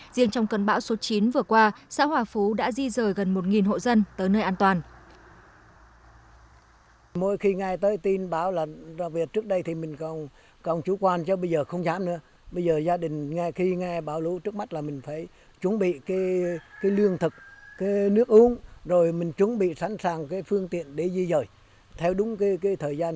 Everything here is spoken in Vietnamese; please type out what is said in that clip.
riêng trong cơn bão số chín vừa qua xã hòa phú đã di rời gần một hộ dân tới nơi an toàn